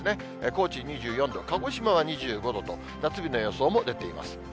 高知２４度、鹿児島は２５度と、夏日の予想も出ています。